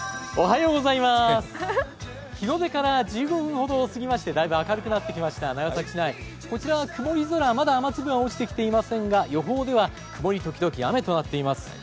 日の出から１５分ほど過ぎましてだいぶ明るくなってきました長崎市内、こちらは曇り空まだ雨粒は落ちてきていませんが予報では曇りときどき雨となっています。